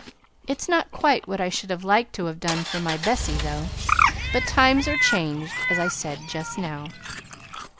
It's not quite what I should have liked to have done for my Annabella though. But times are changed, as I said just now."